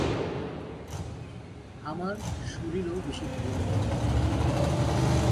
আমার শরীরও বেশি ভালো না।